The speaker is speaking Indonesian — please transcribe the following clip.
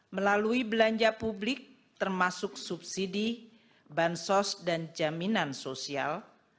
melalui belanja publik termasuk subsidi bansos dan jaminan sosial